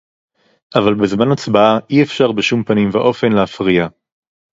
אבל בזמן הצבעה אי-אפשר בשום פנים ואופן להפריע